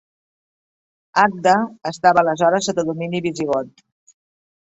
Agde estava aleshores sota domini visigot.